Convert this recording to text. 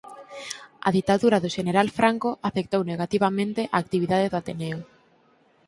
A ditadura do Xeneral Franco afectou negativamente a actividade do Ateneo.